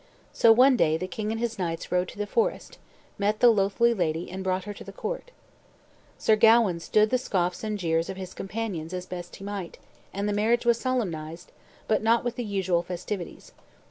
So one day the king and his knights rode to the forest, met the loathly lady, and brought her to the court. Sir Gawain stood the scoffs and jeers of his companions as he best might, and the marriage was solemnized, but not with the usual festivities.